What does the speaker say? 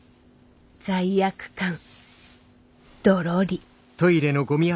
罪悪感ドロリ。